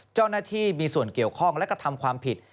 เจ้าหน้าที่มีส่วนเกี่ยวข้องและกระทำความผิด